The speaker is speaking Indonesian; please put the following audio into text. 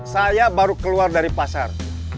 saya baru keluar dari pasar